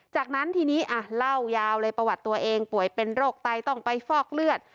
จากนั้นทีนี้เล่ายาวเลยประวัติตัวเองป่วยเป็นโรคไตต้องไปฟอกเลือด